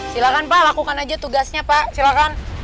silahkan pak lakukan aja tugasnya pak silakan